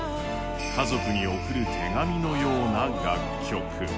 家族に送る手紙のような楽曲。